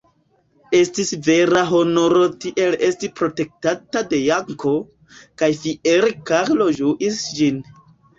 Estis vera honoro tiel esti protektata de Janko, kaj fiere Karlo ĝuis ĝin.